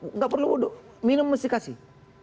tidak perlu minum mesti dikasih